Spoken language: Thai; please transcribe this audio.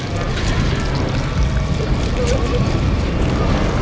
นั่นเดี๋ยวผมลาก่อนมันก็ดูสุดใสวิ่งปัง